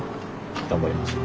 頑張りましょう。